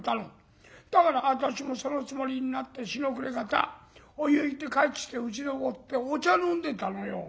だから私もそのつもりになって日の暮れ方お湯行って帰ってきてうちでもってお茶飲んでたのよ。